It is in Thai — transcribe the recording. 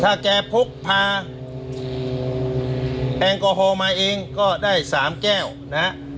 ถ้าแกพกพาแอลกอฮอล์มาเองก็ได้๓แก้วนะฮะ